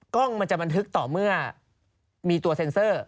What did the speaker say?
กล้องมันจะบันทึกต่อเมื่อมีตัวเซ็นเซอร์